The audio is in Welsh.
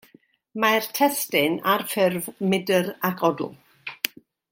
Mae'r testun ar ffurf mydr ac odl.